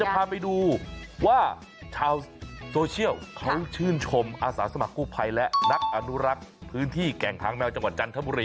พาไปดูว่าชาวโซเชียลเขาชื่นชมอาสาสมัครกู้ภัยและนักอนุรักษ์พื้นที่แก่งทางแมวจังหวัดจันทบุรี